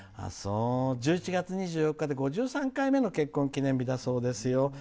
１１月２４日で５３回目の結婚記念日だそうですよ。